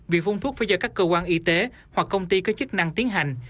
việc phun thuốc phải do các cơ quan y tế hoặc công ty có chức năng tiến hành